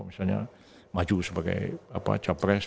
misalnya maju sebagai capres